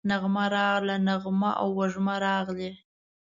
نغمه راغله، نغمه او وژمه راغلې